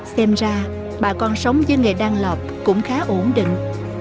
xem ra bà con sống với nghề đan lọt cũng khá ổn định